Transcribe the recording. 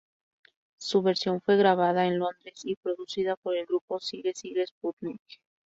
Su versión fue grabada en Londres, y producida por el grupo Sigue Sigue Sputnik.